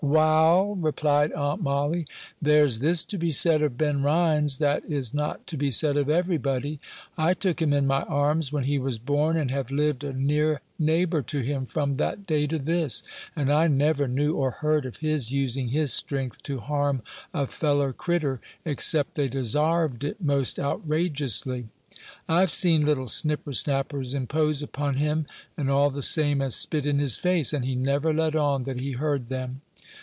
"Wal," replied Aunt Molly, "there's this to be said of Ben Rhines, that is not to be said of everybody: I took him in my arms when he was born, and have lived a near neighbor to him from that day to this, and I never knew or heard of his using his strength to harm a fellow critter, except they desarved it most outrageously. I've seen little snipper snappers impose upon him, and all the same as spit in his face, and he never let on that he heard them.